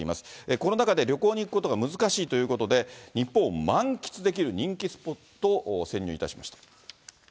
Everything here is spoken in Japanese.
コロナ禍で旅行に行くことが難しいということで、日本を満喫できる人気スポット、潜入いたしました。